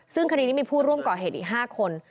ซึ่งคดีนี้มีผู้ร่วมก่อเหตุอีก๕คน